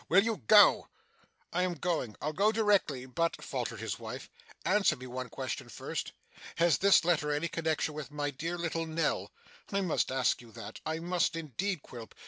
Will you go!' 'I am going, I'll go directly; but,' faltered his wife, 'answer me one question first. Has this letter any connexion with dear little Nell? I must ask you that I must indeed, Quilp.